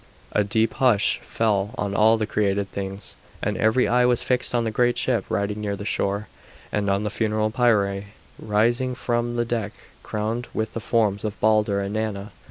A deep hush fell on all created things, and every eye was fixed on the great ship riding near the shore, and on the funeral pyre rising from the deck crowned with the forms of Balder and Nanna.